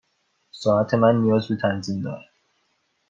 ساعت من نیاز به تنظیم دارد.